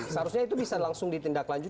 seharusnya itu bisa langsung ditindak lanjut